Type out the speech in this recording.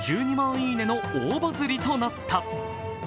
「いいね」の大バズりとなった。